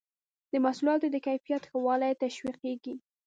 د محصولاتو د کیفیت ښه والی تشویقیږي.